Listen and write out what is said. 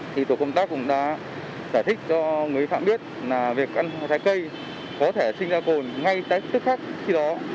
thì tổ công tác cũng đã giải thích cho người vi phạm biết là việc ăn thái cây có thể sinh ra cồn ngay tại tức khắc khi đó